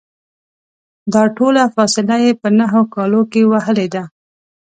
دا ټوله فاصله یې په نهو کالو کې وهلې ده.